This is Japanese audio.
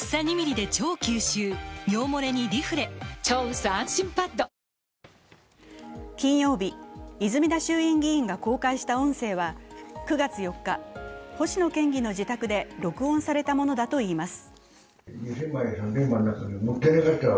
そして金曜日、泉田衆院議員が公開した音声は９月４日、星野県議の自宅で録音されたものだといいます。